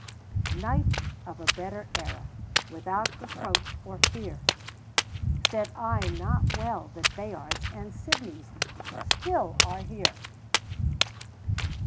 Knight of a better era Without reproach or fear, Said I not well that Bayards And Sidneys still are here!"